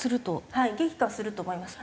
はい激化すると思います。